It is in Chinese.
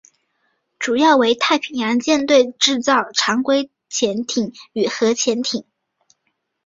主要为太平洋舰队制造常规潜艇与核潜艇。